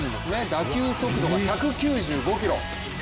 打球速度が１９５キロ。